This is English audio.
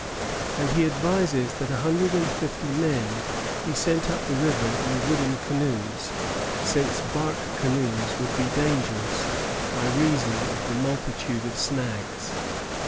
And he advises that a hundred and fifty men be sent up the river in wooden canoes, since bark canoes would be dangerous, by reason of the multitude of snags.